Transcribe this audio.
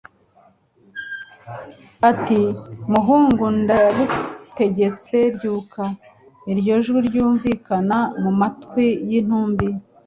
ati: «Muhungu ndagutegetse byuka!» Iryo jwi ryumvikana mu matwi y'intumbi.